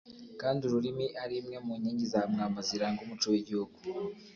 kandi ururimi ari imwe mu nkingi za mwamba ziranga umuco w'igihugu